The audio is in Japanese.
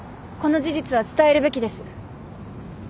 この事実は伝えるべきです。